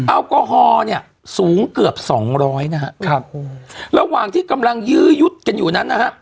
แอลกอฮอล์เนี่ยสูงเกือบสองร้อยนะฮะครับระหว่างที่กำลังยื้อยุดกันอยู่นั้นนะฮะ